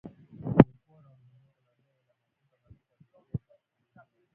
Kulikuwa na ongezeko la bei ya mafuta katika vituo vya kuuzia